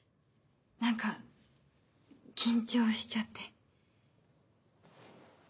何か緊張しちゃって。